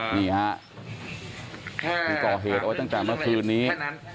นี่ฮะก่อเหตุตั้งแต่เมื่อคืนนี้